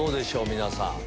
皆さん。